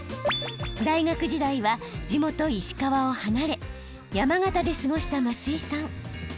大学時代は地元石川を離れ山形で過ごした増井さん。